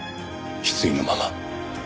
失意のまま」